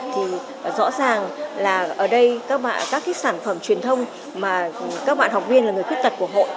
thì rõ ràng là ở đây các bạn các cái sản phẩm truyền thông mà các bạn học viên là người khuyết tật của hội